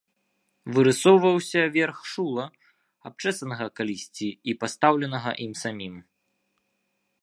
Вырысоўваўся верх шула, абчэсанага калісьці і пастаўленага ім самім.